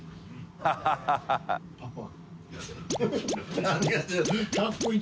ハハハ